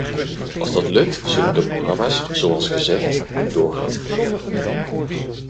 Als dat lukt, zullen de programma's, zoals gezegd, doorgang vinden.